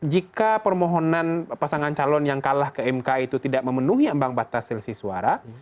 jika permohonan pasangan calon yang kalah ke mk itu tidak memenuhi ambang batas selisih suara